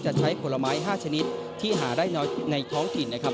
จะใช้ผลไม้๕ชนิดที่หาได้น้อยในท้องถิ่นนะครับ